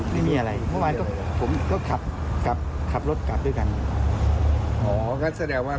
แล้วได้คุยได้อะไรกับเขาดีกว่า